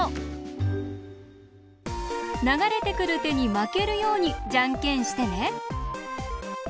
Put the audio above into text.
ながれてくるてにまけるようにじゃんけんしてね！